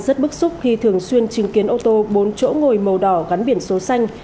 rất bức xúc khi thường xuyên chứng kiến ô tô bốn chỗ ngồi màu đỏ gắn biển số xanh